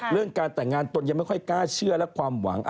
เรื่องการแต่งงานตนยังไม่ค่อยกล้าเชื่อและความหวัง